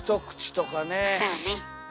そうね。